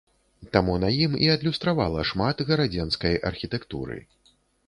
Таму на ім і адлюстравала шмат гарадзенскай архітэктуры.